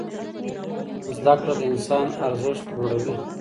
زده کړه د انسان ارزښت لوړوي.